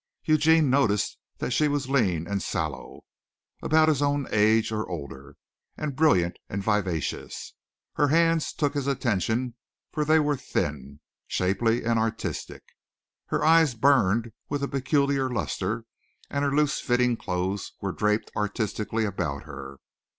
Eugene noticed that she was lean and sallow, about his own age or older, and brilliant and vivacious. Her hands took his attention for they were thin, shapely and artistic. Her eyes burned with a peculiar lustre and her loose fitting clothes were draped artistically about her.